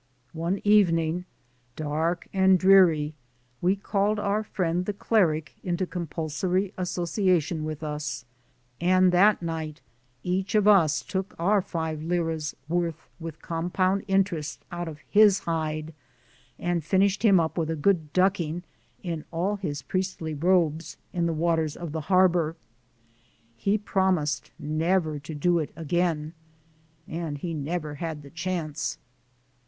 One evening, dark and dreary, we called our friend the cleric into compulsory association with us, and that night each of us took our five lire's worth with compound interest out of his hide, and THE CALL OF THE SEA 43 finished him up with a good ducking, in all his priestly robes, in the waters of the harbor. He promised never to do it again, and he never had the chance!